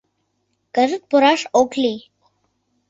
Кызыт пураш ок лий.